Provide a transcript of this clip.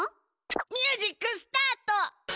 ミュージックスタート！